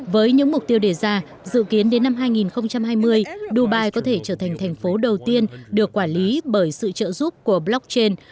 với những mục tiêu đề ra dự kiến đến năm hai nghìn hai mươi dubai có thể trở thành thành phố đầu tiên được quản lý bởi sự trợ giúp của blockchain